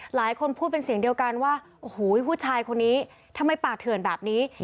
หลายคนพูดเป็นเสียงเดียวกันว่าโอ้โหผู้ชายคนนี้ทำไมปากเถื่อนแบบนี้